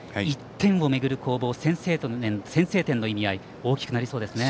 １点をめぐる攻防先制点の意味合いが大きくなりそうですね。